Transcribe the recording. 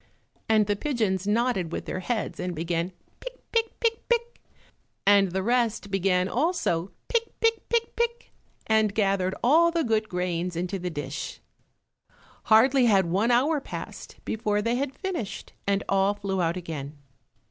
And the pigeons nodded with their heads and began pick, pick, pick, pick, and the rest began also pick, pick, pick, pick, and gathered all the good grains into the dish. Hardly had one hour passed before they had finished, and all flew out again.